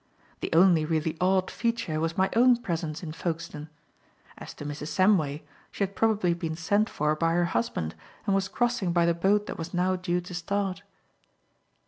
The only really odd feature was my own presence in Folkestone. As to Mrs. Samway, she had probably been sent for by her husband, and was crossing by the boat that was now due to start.